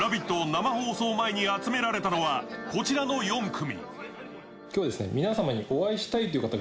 生放送前に集められたのは、こちらの４組。